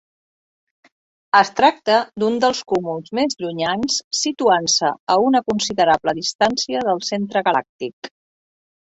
Es tracta d'un dels cúmuls més llunyans situant-se a una considerable distància del centre galàctic.